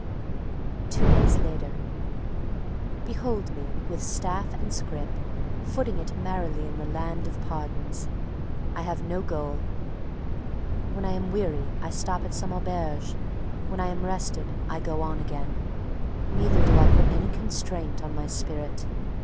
Two days later. Behold me with staff and scrip, footing it merrily in the Land of Pardons. I have no goal. When I am weary I stop at some auberge; when I am rested I go on again. Neither do I put any constraint on my spirit.